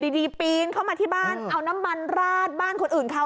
ดีปีนเข้ามาที่บ้านเอาน้ำมันราดบ้านคนอื่นเขา